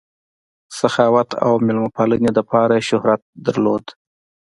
سخاوت او مېلمه پالنې دپاره ئې شهرت لرلو